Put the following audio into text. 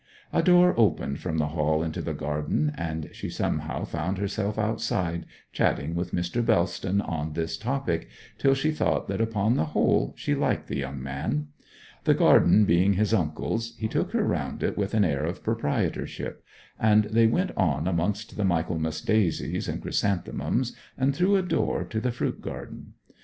A door opened from the hall into the garden, and she somehow found herself outside, chatting with Mr. Bellston on this topic, till she thought that upon the whole she liked the young man. The garden being his uncle's, he took her round it with an air of proprietorship; and they went on amongst the Michaelmas daisies and chrysanthemums, and through a door to the fruit garden.